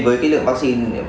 với cái lượng vaccine